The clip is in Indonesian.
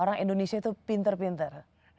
orang indonesia itu pinter pinter